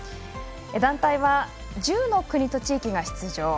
団体は、１０の国と地域が出場。